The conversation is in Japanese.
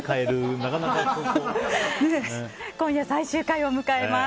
今夜、最終回を迎えます。